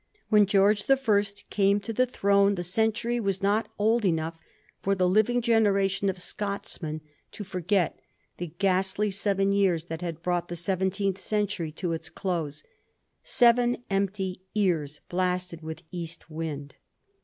When George the First came to the throne the century was not old enough for the living generation of Scotchmen to forget the ghastly seven years that had brought the seventeenth century to its close — seven empty ears blasted with east wind.